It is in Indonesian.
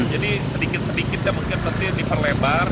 jadi sedikit sedikit ya mungkin nanti diperlebar